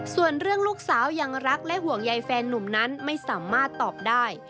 ส่วนเรื่องลูกสาวยังรักและห่วงใยแฟนนุ่มนั้นไม่สามารถตอบได้